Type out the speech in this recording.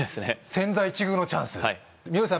千載一遇のチャンス見延さん